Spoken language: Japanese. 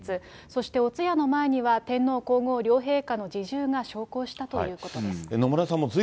そしてお通夜の前には天皇皇后両陛下の侍従が焼香したということです。